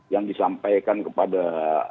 yang disampaikan ke pemerintah